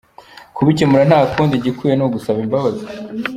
Kubikemura nta kundi, igikwiye ni ugusaba imbabazi.